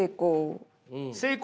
成功。